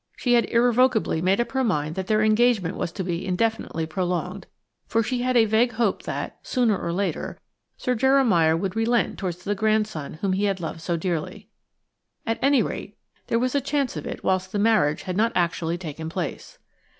She had irrevocably made up her mind that their engagement was to be indefinitely prolonged, for she had a vague hope that, sooner or later, Sir Jeremiah would relent towards the grandson whom he had loved so dearly. At any rate there was a chance of it whilst the marriage had not actually taken place.